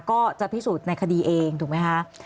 ก็จะพิสูจน์ในคดีเองถูกไหมคะ